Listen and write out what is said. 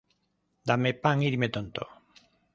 Dame pan y dime tonto.